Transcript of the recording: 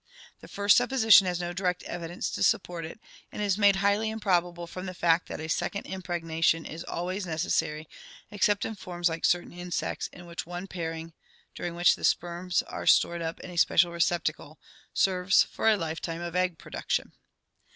The first supposition has no direct evidence to support it, and is made highly improbable from the fact that a second impregnation is always necessary except in forms like certain insects in which one pairing, during which the sperms are stored up in a special receptacle, serves for a lifetime of egg production.